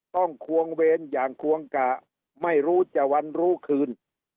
ควงเวรอย่างควงกะไม่รู้จะวันรู้คืน